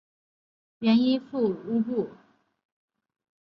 原依附泰赤乌部。